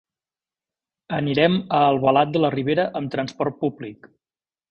Anirem a Albalat de la Ribera amb transport públic.